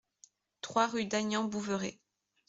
trois rue Dagnan Bouveret